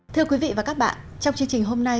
thưa quý vị và các bạn trong chương trình hôm nay